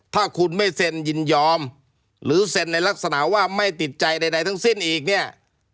ถ้าคุณไม่เซ็นยินยอมหรือเซ็นในลักษณะว่าไม่ติดใจใดทั้งสิ้นอีกเนี่ย